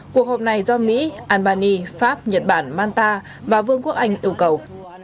cuộc họp này do mỹ albany pháp nhật bản manta và vương quốc anh yêu cầu